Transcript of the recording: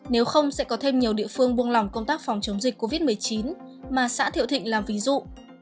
nếu không sẽ có thêm nhiều địa phương buông lỏng công tác phòng chống dịch covid một mươi chín mà xã thiệu thịnh làm ví dụ